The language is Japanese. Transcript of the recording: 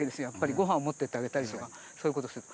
ごはんを持っていってあげたりとかそういうことすると。